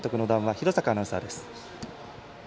広坂アナウンサーです。